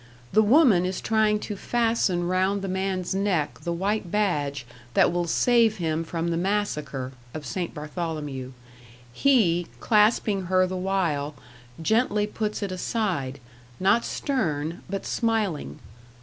The woman is trying to fasten round the man's neck the white badge that will save him from the massacre (of St. Bartholomew) he, clasping her the while, gently puts it aside not stern, but smiling.